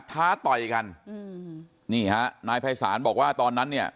ท้าต่อยกันนายภัยสารบอกว่าตอนนั้น